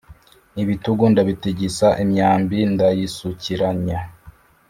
Ibitugu ndabitigisa, imyambi ndayisukiranya,